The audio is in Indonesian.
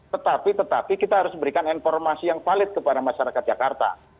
tetapi tetapi kita harus memberikan informasi yang valid kepada masyarakat jakarta